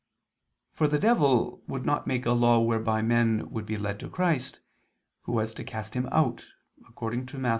For the devil would not make a law whereby men would be led to Christ, Who was to cast him out, according to Matt.